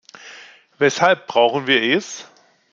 Weshalb brauchen wir es?